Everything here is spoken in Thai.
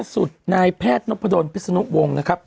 สุดนายแพทย์นพดลพิศนุวงศ์นะครับ